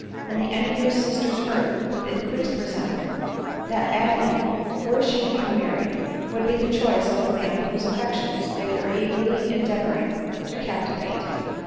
and the'envious sisters heard, with increased resentment, that Adeline, were she unmarried, would be the choice of the man whose affections they were eagerly endeavoring to cap tivate.